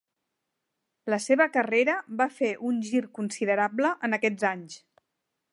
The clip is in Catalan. La seva carrera va fer un gir considerable en aquests anys.